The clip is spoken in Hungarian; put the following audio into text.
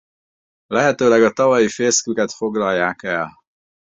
Lehetőleg a tavalyi fészküket foglalják el.